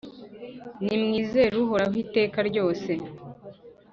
Nimwizere Uhoraho iteka ryose,